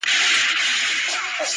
تاج پر سر څپلۍ په پښو توره تر ملاوه؛